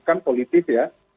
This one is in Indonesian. bahkan politik ya